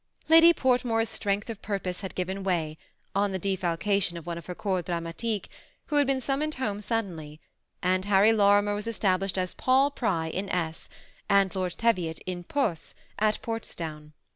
Lady Portmore's strength of purpose had given way on the defalcation of one of her corps dramadque, who had been summoned home suddenly, and Harry Lori mer was established as Paul Pry in esse^ and Lord Teviot in posscy at Portsdown.